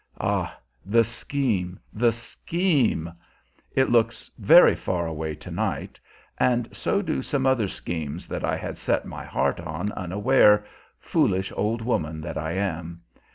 Ah, the scheme, the scheme! It looks very far away to night, and so do some other schemes that I had set my heart on unaware, foolish old woman that I am.